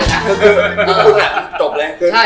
จบแล้ว